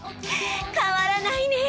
変わらないねえ。